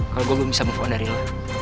kalau gue belum bisa move on dari lo